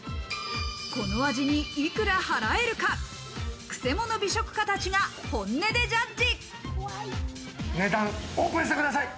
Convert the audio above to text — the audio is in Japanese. この味にいくら払えるのか、クセモノ美食家たちが本音でジャッジ。